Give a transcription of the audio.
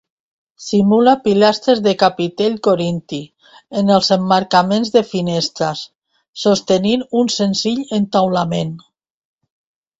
Simula pilastres de capitell corinti en els emmarcaments de finestres, sostenint un senzill entaulament.